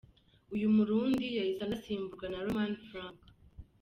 Uyu Murundi yahise anasimburwa na Lomami Frank.